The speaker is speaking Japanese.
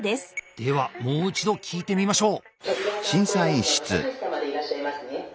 ではもう一度聞いてみましょう。